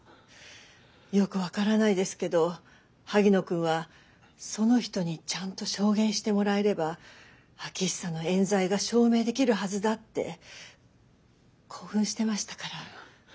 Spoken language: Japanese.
よく分からないですけど萩野君はその人にちゃんと証言してもらえれば秋寿の冤罪が証明できるはずだって興奮してましたから。